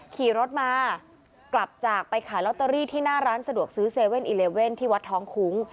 ขี่รถมากลับจากไปขายลอตเตอรี่ที่หน้าร้านสะดวกซื้อ๗๑๑ที่วัดท้องคุ้ง